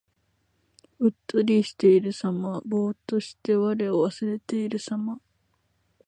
うっとりしているさま。ぼうっとして我を忘れているさま。